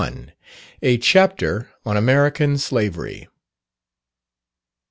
_A Chapter on American Slavery.